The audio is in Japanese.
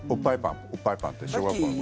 おっぱいパンって小学校の頃。